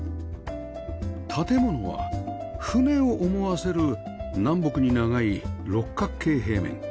建物は船を思わせる南北に長い六角形平面